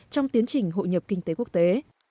trong tiến trình hội nhập kinh tế quốc tế